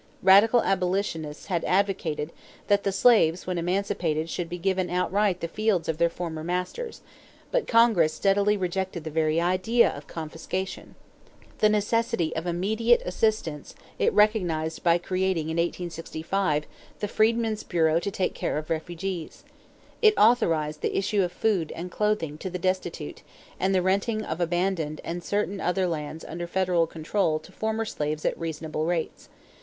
Radical abolitionists had advocated that the slaves when emancipated should be given outright the fields of their former masters; but Congress steadily rejected the very idea of confiscation. The necessity of immediate assistance it recognized by creating in 1865 the Freedmen's Bureau to take care of refugees. It authorized the issue of food and clothing to the destitute and the renting of abandoned and certain other lands under federal control to former slaves at reasonable rates.